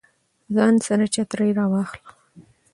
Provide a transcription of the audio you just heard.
ځان سره چترۍ راواخله